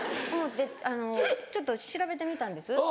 でちょっと調べてみたんです。